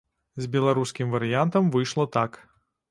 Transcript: З беларускім варыянтам выйшла так.